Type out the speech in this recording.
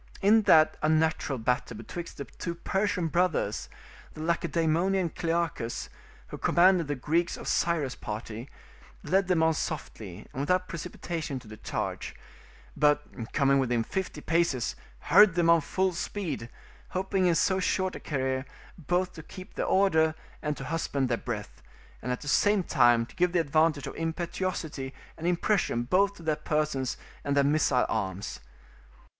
In that unnatural battle betwixt the two Persian brothers, the Lacedaemonian Clearchus, who commanded the Greeks of Cyrus' party, led them on softly and without precipitation to the charge; but, coming within fifty paces, hurried them on full speed, hoping in so short a career both to keep their order and to husband their breath, and at the same time to give the advantage of impetuosity and impression both to their persons and their missile arms.